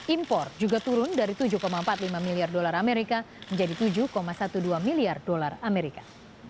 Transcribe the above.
impor juga turun dari tujuh empat puluh lima miliar dolar amerika menjadi tujuh dua belas miliar dolar amerika